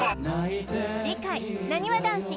次回なにわ男子